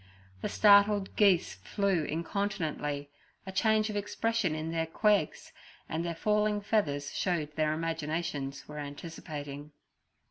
The startled geese flew incontinently, a change of expression in their 'Quegs' and their falling feathers showed their imaginations were anticipating.